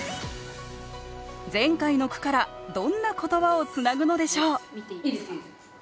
前回の句からどんな言葉をつなぐのでしょう？